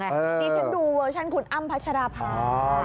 ดิฉันดูเวอร์ชันคุณอ้ำพัชราภา